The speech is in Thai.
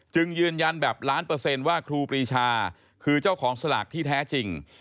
ยืนยันแบบล้านเปอร์เซ็นต์ว่าครูปรีชาคือเจ้าของสลากที่แท้จริง